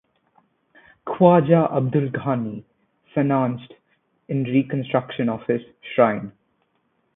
Khwaja Abdul Ghani financed in reconstruction of his shrine.